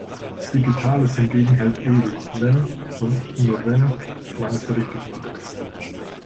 Digitales hingegen hält ewig, wenn – und nur wenn – man es richtig macht.